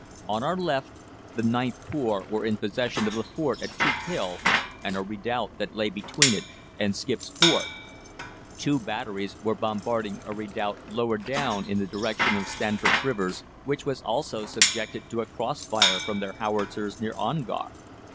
On our left the IXth Corps were in possession of the Fort at Toothill, and a redoubt that lay between it and Skip's Fort. Two batteries were bombarding a redoubt lower down in the direction of Stanford Rivers, which was also subjected to a cross fire from their howitzers near Ongar.